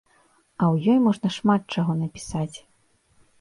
А ў ёй можна шмат чаго напісаць.